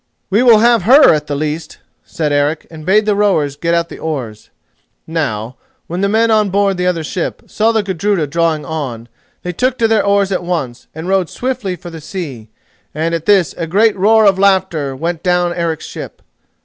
"We will have her, at the least," said Eric, and bade the rowers get out their oars. Now, when the men on board the other ship saw the Gudruda drawing on, they took to their oars at once and rowed swiftly for the sea, and at this a great roar of laughter went down Eric's ship.